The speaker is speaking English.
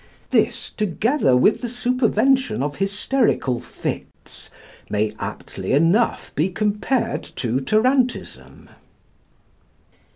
This, together with the supervention of hysterical fits, may aptly enough be compared to tarantism.